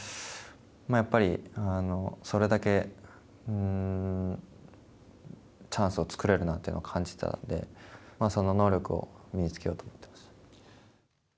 やっぱりそれだけチャンスを作れるなというのを感じたのでその能力を身につけようと思ってました。